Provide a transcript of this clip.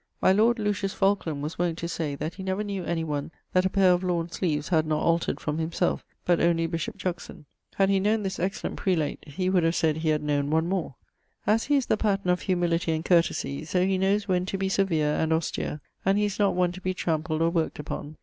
My lord (Lucius) Falkland was wont to say that he never knew any one that a paire of lawne sleeves had not altered from himselfe, but only bishop Juxon; had he knowne this excellent prelate, he would have sayd he had knowne one more. As he is the pattern of humility and courtesie, so he knowes when to be severe and austere; and he is not one to be trampled or worked upon.